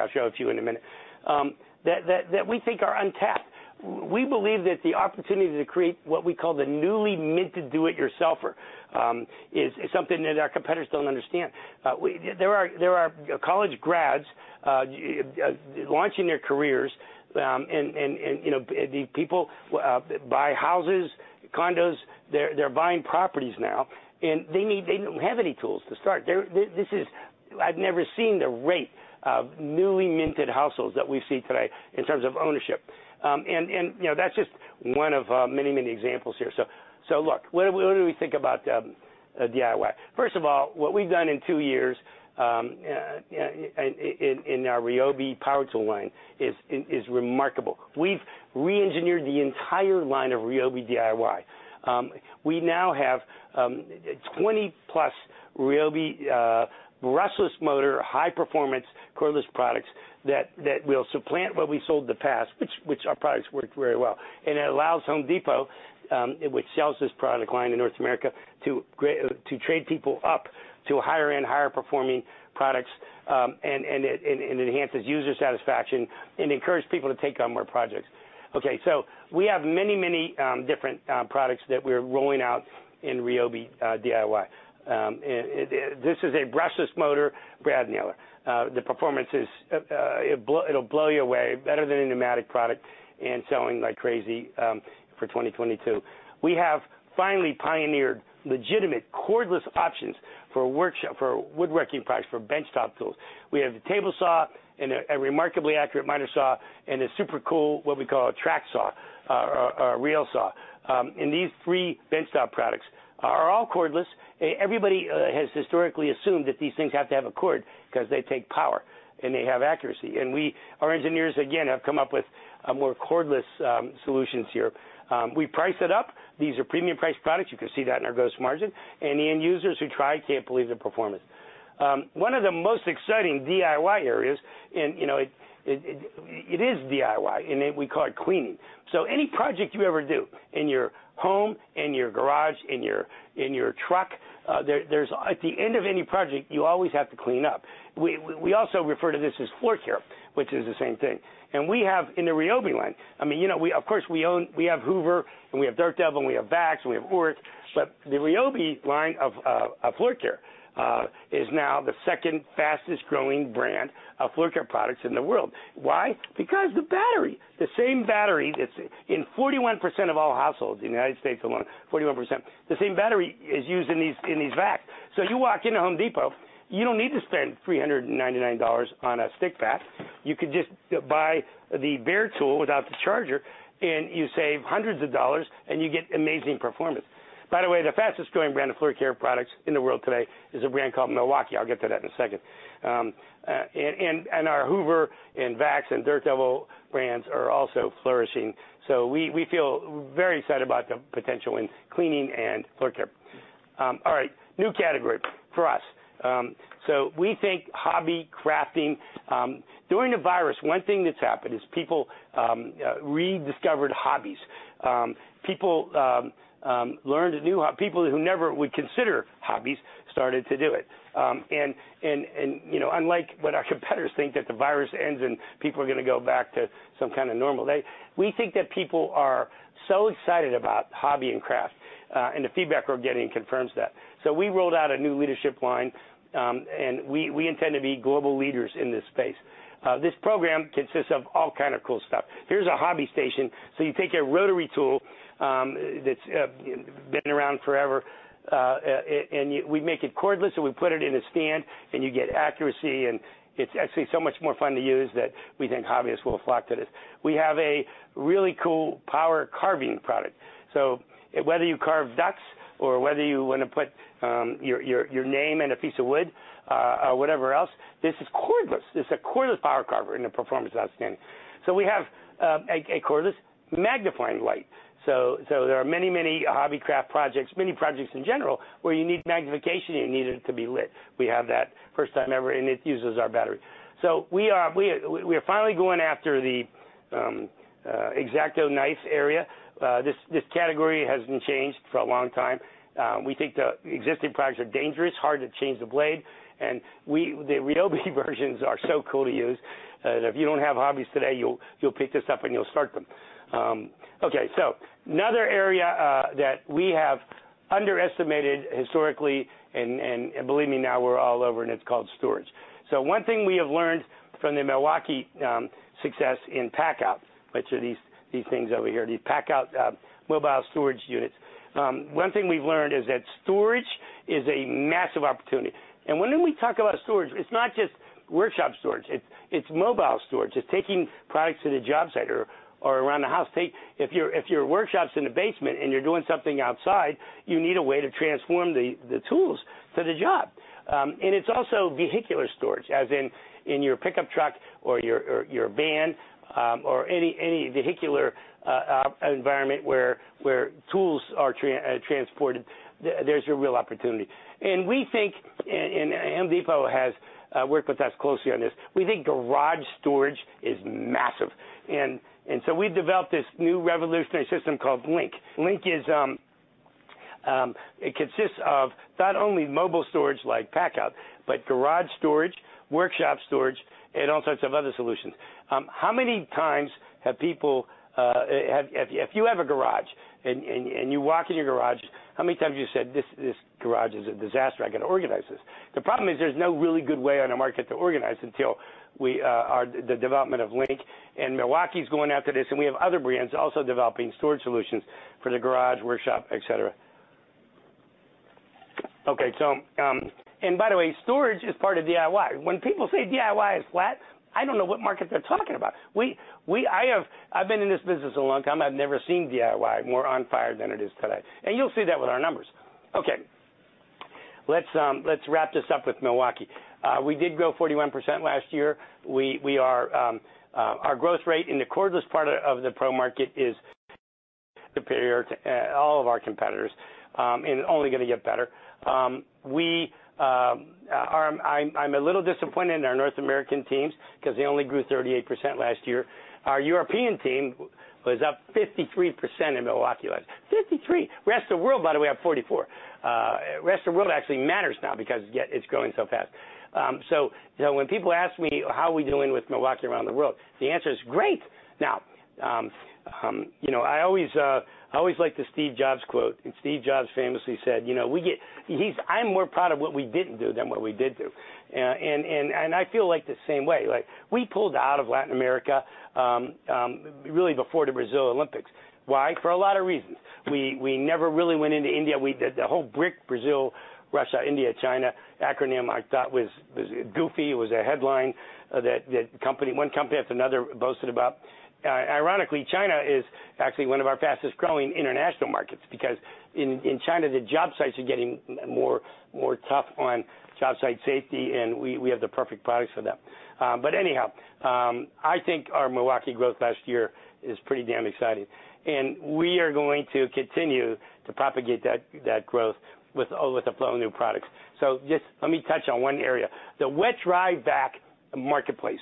I'll show a few in a minute that we think are untapped. We believe that the opportunity to create what we call the newly minted do it yourselfer is something that our competitors don't understand. There are college grads launching their careers, and you know, the people buy houses, condos. They're buying properties now, and they don't have any tools to start. I've never seen the rate of newly minted households that we see today in terms of ownership. You know, that's just one of many examples here. Look, what do we think about DIY? First of all, what we've done in two years in our Ryobi power tool line is remarkable. We've re-engineered the entire line of Ryobi DIY. We now have 20 plus RYOBI brushless motor high performance cordless products that will supplant what we sold in the past, which our products worked very well. It allows Home Depot, which sells this product line in North America, to trade people up to higher end, higher performing products, and it enhances user satisfaction and encourage people to take on more projects. Okay, we have many different products that we're rolling out in RYOBI DIY. This is a brushless motor brad nailer. The performance is it'll blow you away better than a pneumatic product and selling like crazy for 2022. We have finally pioneered legitimate cordless options for workshop, for woodworking products, for benchtop tools. We have the table saw and a remarkably accurate miter saw and a super cool what we call a track saw or a rail saw. These three benchtop products are all cordless. Everybody has historically assumed that these things have to have a cord 'cause they take power and they have accuracy. Our engineers again have come up with more cordless solutions here. We price it up. These are premium priced products. You can see that in our gross margin. The end users who try it can't believe the performance. One of the most exciting DIY areas, and it is DIY and we call it cleaning. Any project you ever do in your home, in your garage, in your truck, at the end of any project, you always have to clean up. We also refer to this as floor care, which is the same thing. We have in the RYOBI line, I mean, you know, we of course own Hoover and we have Dirt Devil, and we have VAX, and we have Oreck. The RYOBI line of floor care is now the second fastest growing brand of floor care products in the world. Why? Because the battery, the same battery that's in 41% of all households in the United States alone, 41%, the same battery is used in these vacs. You walk into Home Depot, you don't need to spend $399 on a stick vac. You could just buy the bare tool without the charger, and you save hundreds of dollars and you get amazing performance. By the way, the fastest growing brand of floor care products in the world today is a brand called Milwaukee. I'll get to that in a second. Our Hoover and VAX and Dirt Devil brands are also flourishing. We feel very excited about the potential in cleaning and floor care. New category for us. We think hobby crafting. During the virus one thing that's happened is people rediscovered hobbies. People who never would consider hobbies started to do it. You know, unlike what our competitors think that the virus ends and people are gonna go back to some kind of normal day, we think that people are so excited about hobby and craft, and the feedback we're getting confirms that. We rolled out a new leadership line, and we intend to be global leaders in this space. This program consists of all kind of cool stuff. Here's a hobby station. You take a rotary tool that's been around forever, and we make it cordless, and we put it in a stand and you get accuracy, and it's actually so much more fun to use that we think hobbyists will flock to this. We have a really cool power carving product, so whether you carve ducks or whether you wanna put your name in a piece of wood, or whatever else, this is cordless. This is a cordless power carver, and the performance is outstanding. We have a cordless magnifying light. There are many hobby craft projects, many projects in general, where you need magnification and you need it to be lit. We have that first time ever, and it uses our battery. We are finally going after the X-Acto knife area. This category hasn't changed for a long time. We think the existing products are dangerous, hard to change the blade, and the RYOBI versions are so cool to use that if you don't have hobbies today, you'll pick this up and you'll start them. Okay, another area that we have underestimated historically and believe me, now we're all over it and it's called storage. One thing we have learned from the Milwaukee success in PACKOUT, which are these things over here, these PACKOUT mobile storage units. One thing we've learned is that storage is a massive opportunity. When we talk about storage, it's not just workshop storage, it's mobile storage. It's taking products to the job site or around the house. If your workshop's in the basement and you're doing something outside, you need a way to transform the tools for the job. It's also vehicular storage, as in your pickup truck or your van, or any vehicular environment where tools are transported. There's your real opportunity. We think Home Depot has worked with us closely on this. We think garage storage is massive. We developed this new revolutionary system called LINK. LINK is. It consists of not only mobile storage like PACKOUT, but garage storage, workshop storage, and all sorts of other solutions. How many times have people, if you have a garage and you walk in your garage, how many times have you said, "This garage is a disaster. I gotta organize this." The problem is there's no really good way on the market to organize until the development of LINK, and Milwaukee's going after this, and we have other brands also developing storage solutions for the garage, workshop, et cetera. Okay. By the way, storage is part of DIY. When people say DIY is flat, I don't know what market they're talking about. I've been in this business a long time. I've never seen DIY more on fire than it is today. You'll see that with our numbers. Okay. Let's wrap this up with Milwaukee. We did grow 41% last year. Our growth rate in the cordless part of the pro market is superior to all of our competitors and only gonna get better. I'm a little disappointed in our North American teams because they only grew 38% last year. Our European team was up 53% in Milwaukee. Rest of World, by the way, up 44%. Rest of World actually matters now because, yeah, it's growing so fast. You know, when people ask me how we doing with Milwaukee around the world, the answer is great. Now, you know, I always like the Steve Jobs quote, and Steve Jobs famously said, "I'm more proud of what we didn't do than what we did do." I feel like the same way. Like, we pulled out of Latin America really before the Brazil Olympics. Why? For a lot of reasons. We never really went into India. The whole BRIC, Brazil, Russia, India, China acronym, I thought was goofy. It was a headline that company, one company after another boasted about. Ironically, China is actually one of our fastest-growing international markets because in China, the job sites are getting more tough on job site safety, and we have the perfect products for them. Anyhow, I think our Milwaukee growth last year is pretty damn exciting, and we are going to continue to propagate that growth with a flow of new products. Just let me touch on one area. The wet/dry vac marketplace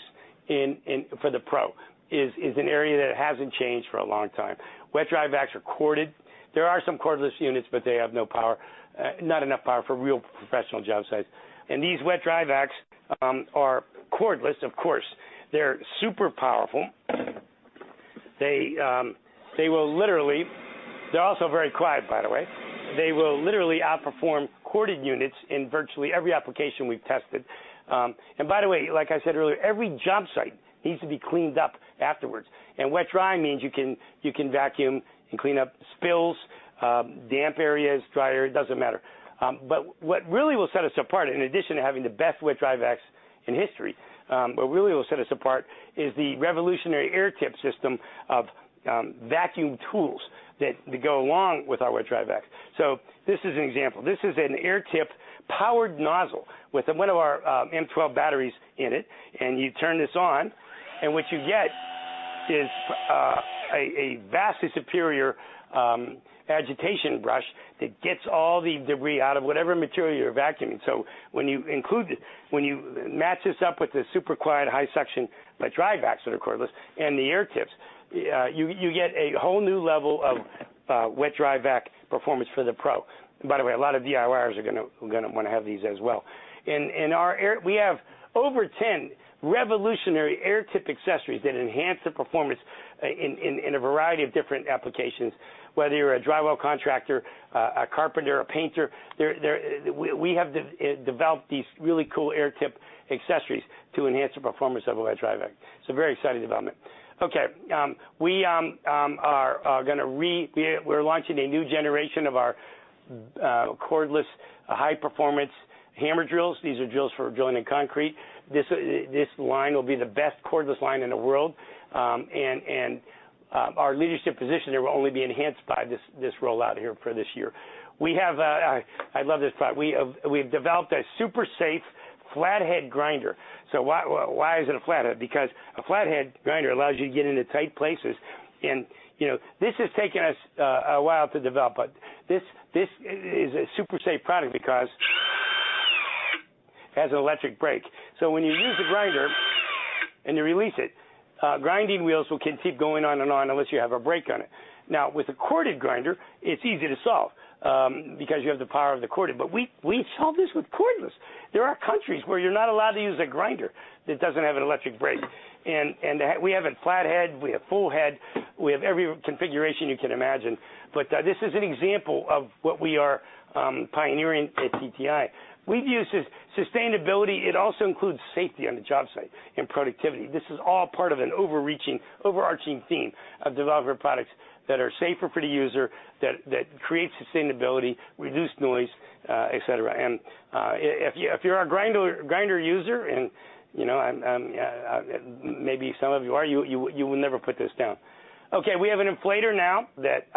for the pro is an area that hasn't changed for a long time. Wet/dry vacs are corded. There are some cordless units, but they have no power, not enough power for real professional job sites. These wet/dry vacs are cordless, of course. They're super powerful. They're also very quiet, by the way. They will literally outperform corded units in virtually every application we've tested. By the way, like I said earlier, every job site needs to be cleaned up afterwards. Wet/dry means you can vacuum and clean up spills, damp areas, dry area, it doesn't matter. But what really will set us apart, in addition to having the best wet/dry vacs in history, what really will set us apart is the revolutionary AIR-TIP system of vacuum tools that go along with our wet/dry vacs. This is an example. This is an AIR-TIP powered nozzle with one of our M12 batteries in it, and you turn this on, and what you get is a vastly superior agitation brush that gets all the debris out of whatever material you're vacuuming. When you match this up with the super quiet, high suction, wet/dry vacs that are cordless and the AIR-TIPs, you get a whole new level of wet/dry vac performance for the pro. By the way, a lot of DIYers are gonna wanna have these as well. Our AIR-TIP accessories—we have over 10 revolutionary ones that enhance the performance in a variety of different applications, whether you're a drywall contractor, a carpenter, a painter. We have developed these really cool AirTip accessories to enhance the performance of a wet/dry vac. It's a very exciting development. Okay, we're launching a new generation of our cordless, high-performance hammer drills. These are drills for drilling in concrete. This line will be the best cordless line in the world, and our leadership position there will only be enhanced by this rollout here for this year. I love this product. We've developed a super safe flathead grinder. Why is it a flathead? Because a flathead grinder allows you to get into tight places. You know, this has taken us a while to develop, but this is a super safe product because it has an electric brake. When you use the grinder and you release it, grinding wheels will keep going on and on unless you have a brake on it. With a corded grinder, it's easy to solve because you have the power of the cord. We solve this with cordless. There are countries where you're not allowed to use a grinder that doesn't have an electric brake. We have a flat head, we have full head, we have every configuration you can imagine. This is an example of what we are pioneering at TTI. We view sustainability, it also includes safety on the job site and productivity. This is all part of an overarching theme of developer products that are safer for the user, that create sustainability, reduce noise, et cetera. If you're a grinder user and, you know, maybe some of you are, you will never put this down. Okay, we have an inflator now that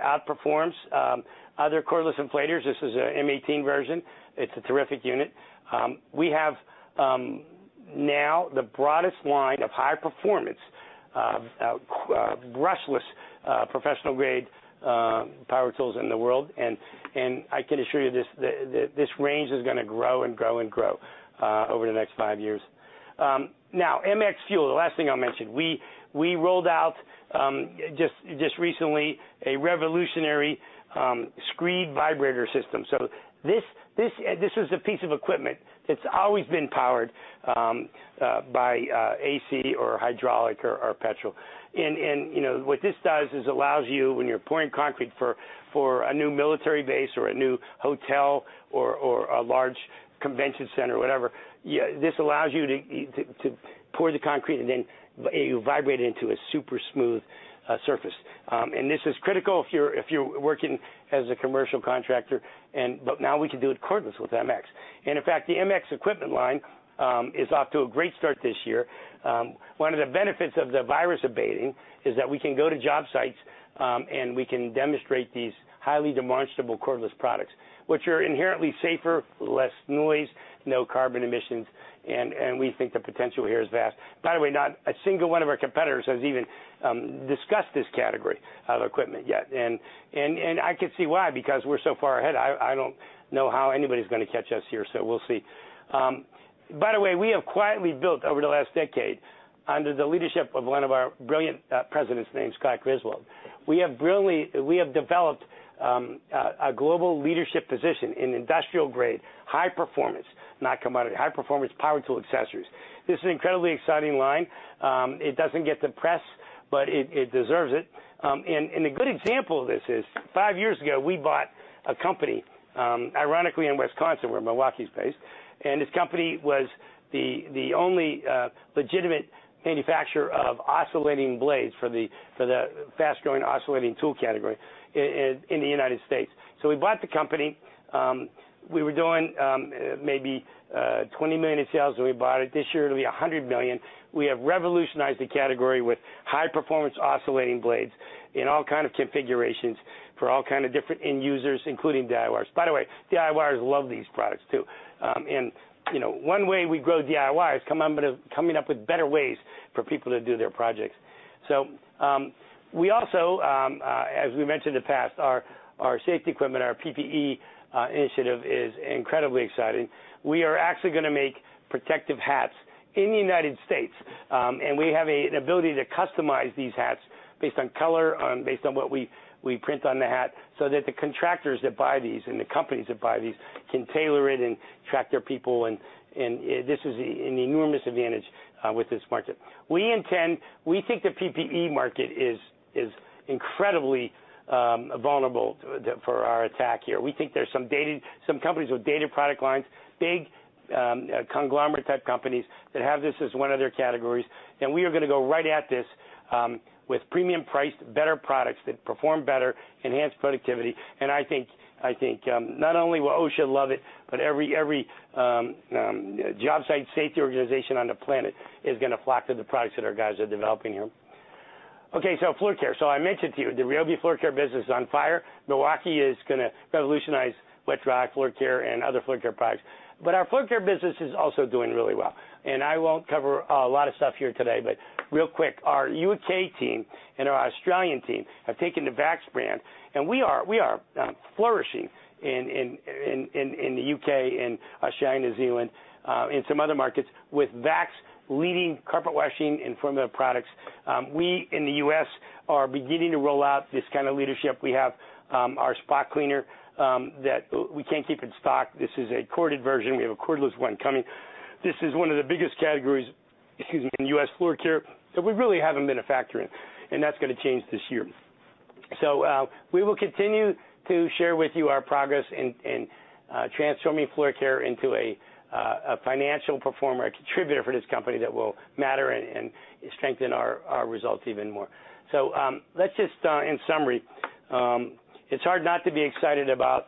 outperforms other cordless inflators. This is an M18 version. It's a terrific unit. We have now the broadest line of high performance brushless professional grade power tools in the world. I can assure you this range is gonna grow and grow and grow over the next five years. Now MX FUEL, the last thing I'll mention, we rolled out just recently a revolutionary screed vibrator system. This is a piece of equipment that's always been powered by AC or hydraulic or petrol. You know, what this does is allows you when you're pouring concrete for a new military base or a new hotel or a large convention center, whatever, this allows you to pour the concrete and then you vibrate it into a super smooth surface. This is critical if you're working as a commercial contractor, but now we can do it cordless with MX. In fact, the MX equipment line is off to a great start this year. One of the benefits of the virus abating is that we can go to job sites, and we can demonstrate these highly demonstrable cordless products, which are inherently safer, less noise, no carbon emissions, and we think the potential here is vast. By the way, not a single one of our competitors has even discussed this category of equipment yet. I could see why, because we're so far ahead. I don't know how anybody's gonna catch us here, so we'll see. By the way, we have quietly built over the last decade, under the leadership of one of our brilliant presidents named Scott Griswold, we have developed a global leadership position in industrial grade, high performance, not commodity, high performance power tool accessories. This is an incredibly exciting line. It doesn't get the press, but it deserves it. A good example of this is five years ago, we bought a company, ironically in Wisconsin, where Milwaukee's based, and this company was the only legitimate manufacturer of oscillating blades for the fast-growing oscillating tool category in the United States. We bought the company. We were doing maybe $20 million in sales when we bought it. This year, it'll be $100 million. We have revolutionized the category with high performance oscillating blades in all kind of configurations for all kind of different end users, including DIYers. By the way, DIYers love these products too. You know, one way we grow DIY is coming up with better ways for people to do their projects. We also, as we mentioned in the past, our safety equipment, our PPE initiative is incredibly exciting. We are actually gonna make protective hats in the United States, and we have an ability to customize these hats based on color, based on what we print on the hat, so that the contractors that buy these and the companies that buy these can tailor it and track their people and this is an enormous advantage with this market. We think the PPE market is incredibly vulnerable to our attack here. We think there's some companies with dated product lines, big conglomerate type companies that have this as one of their categories, and we are gonna go right at this with premium priced better products that perform better, enhance productivity. I think not only will OSHA love it, but every job site safety organization on the planet is gonna flock to the products that our guys are developing here. Okay, floor care. I mentioned to you the RYOBI floor care business is on fire. Milwaukee is gonna revolutionize electric floor care and other floor care products. Our floor care business is also doing really well. I won't cover a lot of stuff here today, but real quick, our U.K. team and our Australian team have taken the VAX brand, and we are flourishing in the U.K. and Australia, New Zealand, and some other markets with VAX leading carpet washing and formula products. We in the U.S. are beginning to roll out this kind of leadership. We have our spot cleaner that we can't keep in stock. This is a corded version. We have a cordless one coming. This is one of the biggest categories, excuse me, in U.S. floor care that we really haven't been a factor in, and that's gonna change this year. We will continue to share with you our progress in transforming floor care into a financial performer, a contributor for this company that will matter and strengthen our results even more. Let's just in summary, it's hard not to be excited about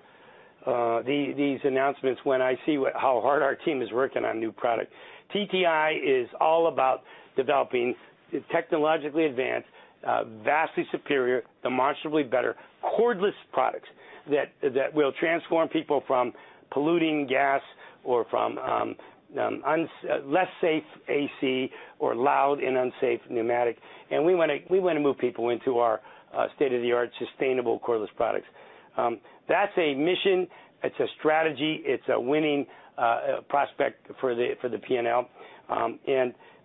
these announcements when I see how hard our team is working on new product. TTI is all about developing technologically advanced, vastly superior, demonstrably better cordless products that will transform people from polluting gas or from less safe AC or loud and unsafe pneumatic. We wanna move people into our state-of-the-art sustainable cordless products. That's a mission, it's a strategy, it's a winning prospect for the P&L.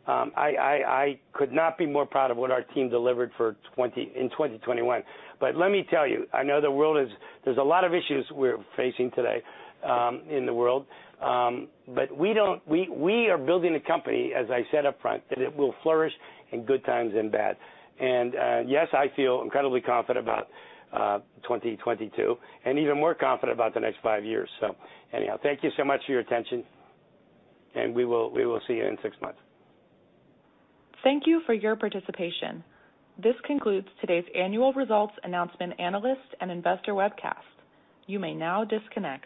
I could not be more proud of what our team delivered in 2021. Let me tell you, I know there's a lot of issues we're facing today in the world. We are building a company, as I said up front, that it will flourish in good times and bad. Yes, I feel incredibly confident about 2022 and even more confident about the next five years. Anyhow, thank you so much for your attention, and we will see you in six months. Thank you for your participation. This concludes today's annual results announcement analyst and investor webcast. You may now disconnect.